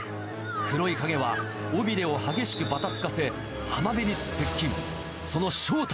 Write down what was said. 黒い影は尾びれを激しくばたつかせ、浜辺に接近。